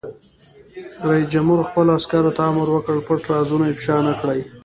رئیس جمهور خپلو عسکرو ته امر وکړ؛ پټ رازونه افشا نه کړئ!